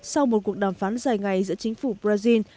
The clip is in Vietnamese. sau một cuộc đàm phán dài ngày giữa chính phủ brazil